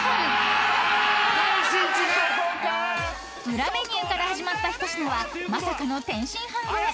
［裏メニューから始まった一品はまさかの天津飯超え］